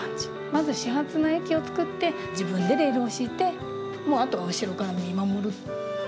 まず始発の駅を作って、自分でレールを敷いて、もう、あとは後ろから見守る。